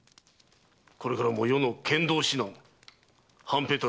これからも余の剣道指南半平太